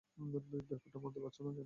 ব্যাপারটা মানতে পারছো না কেন?